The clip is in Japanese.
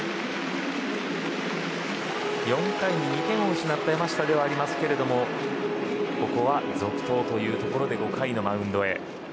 ４回に２点を失った山下ではありますがここは続投というところで５回のマウンドへ。